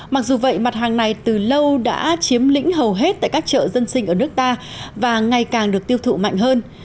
mặc dù vậy mặt hàng này từ lâu đã chiếm lĩnh hầu hết tại các chợ dân sinh ở nước ta và ngày càng được tiêu thụ mạnh hơn